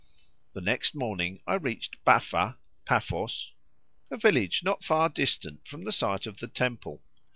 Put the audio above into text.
The next morning I reached Baffa (Paphos), a village not far distant from the site of the temple.